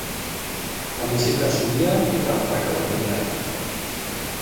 Kamiseta zuria eta praka berdeak.